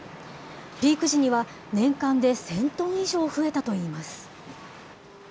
ピーク時には年間で１０００トン以上増えたといいます。